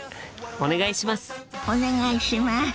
お願いします。